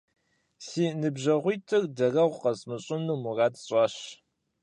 Си ныбжьэгъуитӏыр дарэгъу къэсщӀыну мурад сщӀащ.